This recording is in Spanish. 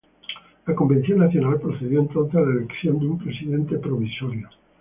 La Convención Nacional procedió entonces a la elección de un Presidente Provisorio.